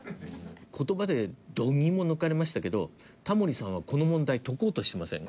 言葉で度肝抜かれましたけどタモリさんはこの問題解こうとしてません？